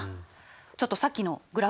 ちょっとさっきのグラフ見てみて。